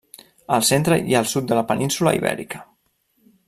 Al centre i el sud de la península Ibèrica.